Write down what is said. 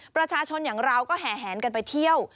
ประชาชนอย่างเราก็แห่แหนกันไปเที่ยว